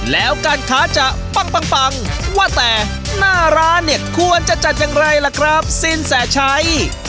แล้วการค้าจะปังว่าแต่หน้าร้านเนี่ยควรจะจัดอย่างไรล่ะครับสินแสชัย